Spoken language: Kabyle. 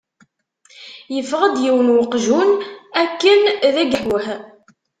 Yeffeɣ-d yiwen n weqjun akken d agehguh.